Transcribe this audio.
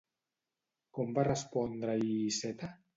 Com va respondre-hi Iceta?